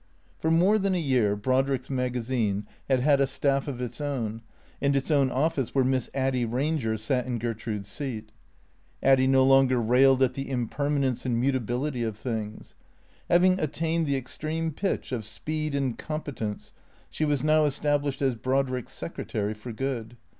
For more than a year Brodrick's magazine had had a staff of its own, and its own office wliere Miss Addy Eanger sat in Gertrude's seat. Addy no longer railed at the impermanence and mutability of things. Having attained the extreme pitch of speed and competence, she was now established as Brodrick's secretary for good.